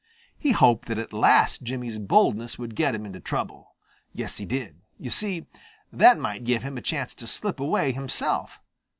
He hoped that at last Jimmy's boldness would get him into trouble. Yes, he did. You see, that might give him a chance to slip away himself.